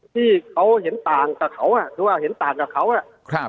ที่เขาเห็นต่างกับเขาอ่ะคือว่าเห็นต่างกับเขาอ่ะครับ